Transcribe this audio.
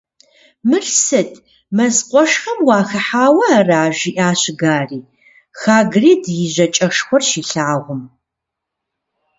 «Мыр сыт, мэз къуэшхэм уахыхьауэ ара?» - жиӏащ Гарри, Хагрид и жьакӏэшхуэр щилъагъум.